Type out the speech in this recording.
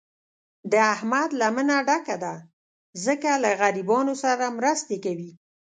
د احمد لمنه ډکه ده، ځکه له غریبانو سره مرستې کوي.